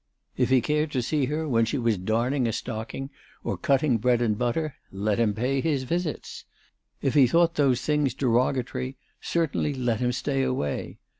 If he cared to see her when she was darning a stocking or cutting bread and butter, let him pay his visits. If he thought those things derogatory, certainly let him stay away.